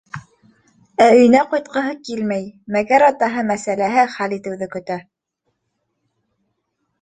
Ә өйөнә ҡайтҡыһы килмәй, мәгәр атаһы мәсьәләһе хәл итеүҙе көтә.